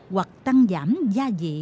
hoặc tăng giảm gia vị